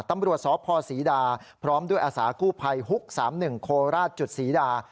ตำบลสอบพ่อสีดาพร้อมด้วยอาสาคู่ภัยฮุก๓๑โคลราศสีดา